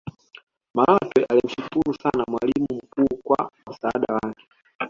malatwe alimshukru sana mwalimu mkuu kwa msaada wake